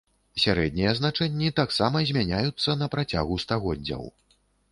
Сярэднія значэнні таксама змяняюцца на працягу стагоддзяў.